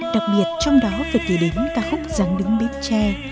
đặc biệt trong đó phải kể đến ca khúc giang đứng bếp tre